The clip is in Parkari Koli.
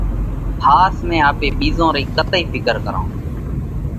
ۿاس ۾ آپي ٻِيزون رئِي ڪتئِي ڦِڪر ڪرونه؟